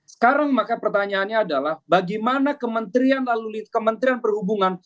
sekarang maka pertanyaannya adalah bagaimana kementerian lalu lintas kementerian perhubungan